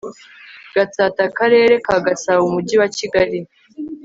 Gatsat Akarere ka Gasabo Umujyi wa Kigali